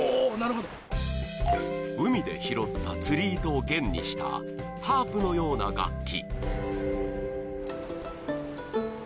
海で拾った釣り糸を弦にした、ハープのような楽器。